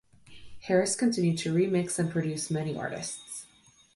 Harris continued to remix and produce many artists.